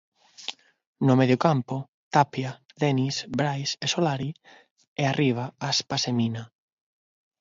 No medio campo, Tapia, Denis, Brais e Solari e arriba Aspas e Mina.